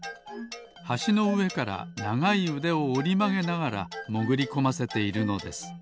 はしのうえからながいうでをおりまげながらもぐりこませているのです。